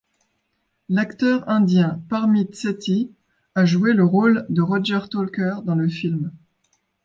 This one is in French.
L'acteur indien Parmeet Sethi a joué le rôle de Roger Talker dans le film.